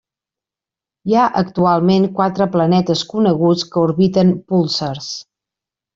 Hi ha actualment quatre planetes coneguts que orbiten púlsars.